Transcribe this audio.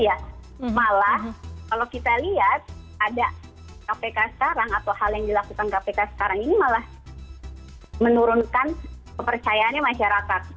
ya malah kalau kita lihat ada kpk sekarang atau hal yang dilakukan kpk sekarang ini malah menurunkan kepercayaannya masyarakat